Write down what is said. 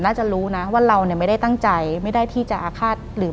หลังจากนั้นเราไม่ได้คุยกันนะคะเดินเข้าบ้านอืม